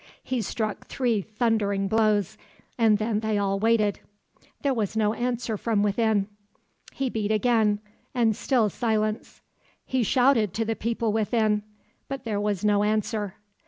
He struck three thundering blows, and then they all waited. There was no answer from within. He beat again, and still silence. He shouted to the people within, but there was no answer.